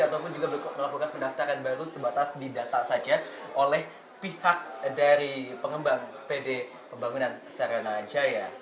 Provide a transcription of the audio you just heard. ataupun juga melakukan pendaftaran baru sebatas di data saja oleh pihak dari pengembang pd pembangunan sarana jaya